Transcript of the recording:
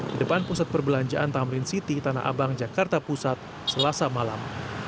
di depan pusat perbelanjaan tamrin city tanah abang jakarta pusat selasa malam